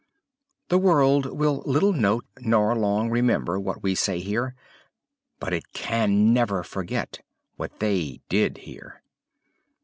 The world will little note, nor long remember, what we say here, but it can never forget what they did here.